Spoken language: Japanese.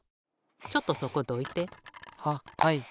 ちょっとそこどいて。ははい。